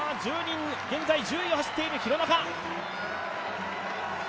現在１０位を走っている廣中。